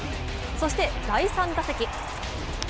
そして、第３打席。